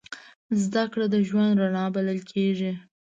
زدهکړه د ژوند رڼا بلل کېږي.